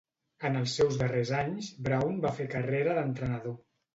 En els seus darrers anys, Brown va fer carrera d'entrenador.